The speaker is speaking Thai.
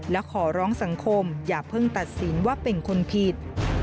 และขอร้องสังคมอย่าเพิ่งตัดสินว่าเป็นคนผิด